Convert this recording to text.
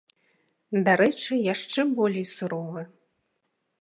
Дарэчы, яшчэ болей суровы.